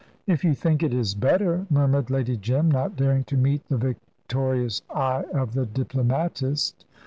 "If you think it is better," murmured Lady Jim, not daring to meet the victorious eye of the diplomatist.